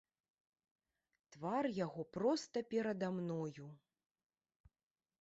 Твар яго проста перада мною.